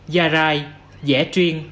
gia rai dẻ truyền